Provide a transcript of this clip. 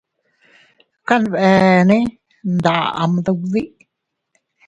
Kanbeene nda ama duddi.